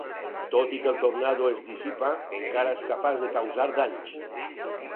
Tot i que el tornado es dissipa, encara és capaç de causar danys.